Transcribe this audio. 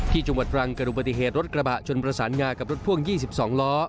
จังหวัดตรังเกิดอุบัติเหตุรถกระบะชนประสานงากับรถพ่วง๒๒ล้อ